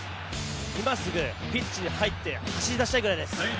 今すぐピッチに入って走り出したいぐらいです。